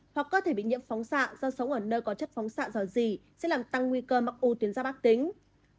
hoặc cơ thể bị nhiễm phóng xạ do sống ở nơi có chất phóng xạ do gì sẽ làm tăng nguy cơ mắc u tiến giáp ác tính